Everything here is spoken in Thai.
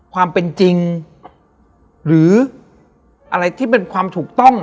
ความเป็นจริงหรืออะไรที่เป็นความถูกต้อง